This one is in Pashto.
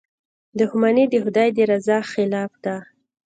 • دښمني د خدای د رضا خلاف ده.